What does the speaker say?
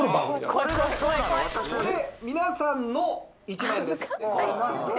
これ皆さんの１万円です。